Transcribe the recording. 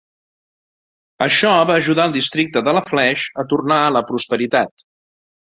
Això va ajudar el districte de Lafleche a tornar a la prosperitat.